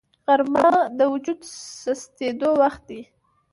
غرمه د وجود سستېدو وخت دی